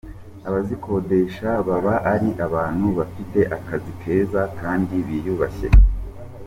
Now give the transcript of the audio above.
Abazikodesha baba ari abantu bafite akazi keza kandi biyubashye.